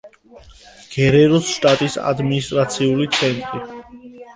გერეროს შტატის ადმინისტრაციული ცენტრი.